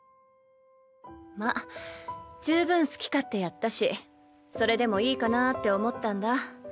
まあ十分好き勝手やったしそれでもいいかなぁって思ったんだ。